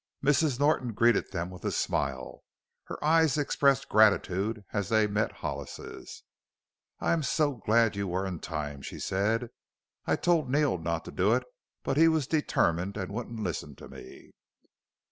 Mrs. Norton greeted them with a smile. Her eyes expressed gratitude as they met Hollis's. "I am so glad you were in time," she said. "I told Neil not to do it, but he was determined and wouldn't listen to me."